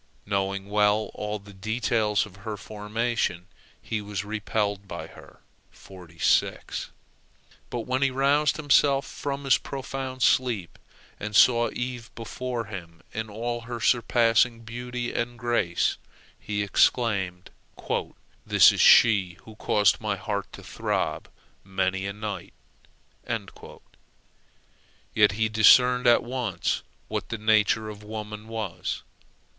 Knowing well all the details of her formation, he was repelled by her. But when he roused himself from his profound sleep, and saw Eve before him in all her surprising beauty and grace, he exclaimed, "This is she who caused my heart to throb many a night!" Yet he discerned at once what the nature of woman was.